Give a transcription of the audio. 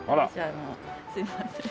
すいません。